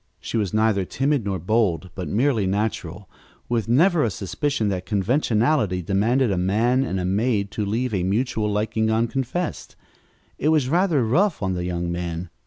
She was neither timid nor bold, but merely natural, with never a suspicion that conventionality demanded a man and a maid to leave a mutual liking unconfessed. It was rather rough on the young man.